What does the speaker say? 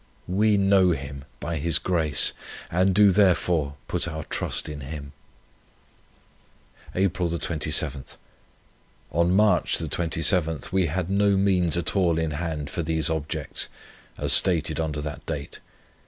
We know Him, by His grace, and do therefore put our trust in Him. "April 27. On March 27th we had no means at all in hand for these Objects, as stated under that date.